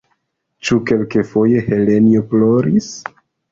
Ĉu kelkafoje Helenjo ploris?